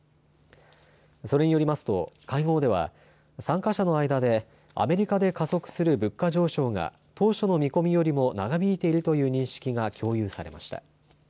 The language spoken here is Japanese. それによりますと会合では参加者の間でアメリカで加速する物価上昇が当初の見込みよりも長引いているという認識が共有されました。